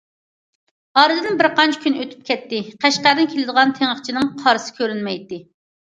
ئارىدىن بىرقانچە كۈن ئۆتۈپ كەتتى، قەشقەردىن كېلىدىغان تېڭىقچىنىڭ قارىسى كۆرۈنمەيتتى.